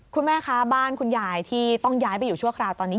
คุณแม่คะบ้านคุณยายที่ต้องย้ายไปอยู่ชั่วคราวตอนนี้